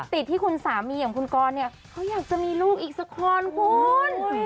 ติดที่คุณสามีอย่างคุณกรเนี่ยเขาอยากจะมีลูกอีกสักคนคุณ